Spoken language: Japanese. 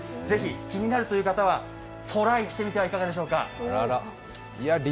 ぜひ気になる方はトライしてみてはいかがでしょうかえ？